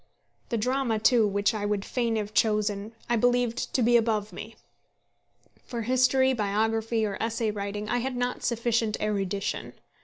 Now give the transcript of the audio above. The drama, too, which I would fain have chosen, I believed to be above me. For history, biography, or essay writing I had not sufficient erudition.